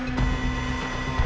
nah baru kita mulai